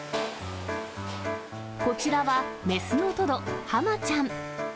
こちらは雌のトド、ハマちゃん。